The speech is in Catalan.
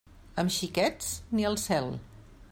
Amb xiquets, ni al cel.